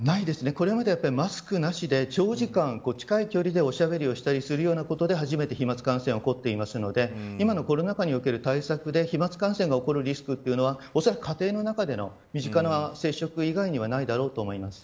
これまでマスクなしで長時間近い距離でおしゃべりしたりするようなことで初めて飛まつ感染が起こっているので今のコロナ禍における対策で飛まつ感染が起こるリスクはおそらく家庭の中での身近な接触以外にはないだろうと思います。